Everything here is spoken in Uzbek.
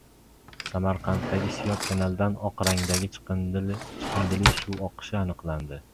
Samarqanddagi Siyob kanalidan oq rangdagi chiqindili suv oqishi aniqlandi